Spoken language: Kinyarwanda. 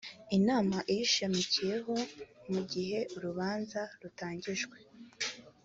inama iyishamikiyeho mu gihe urubanza rutangijwe